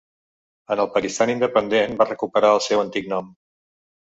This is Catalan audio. En el Pakistan independent va recuperar el seu antic nom.